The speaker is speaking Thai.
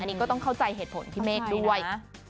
อันนี้ก็ต้องเข้าใจเหตุผลพี่เมฆด้วย